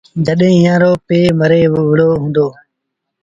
جڏهيݩ ايٚئآن رو پي مري وُهڙو هُݩدو۔